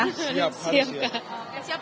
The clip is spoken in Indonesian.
siap hari siap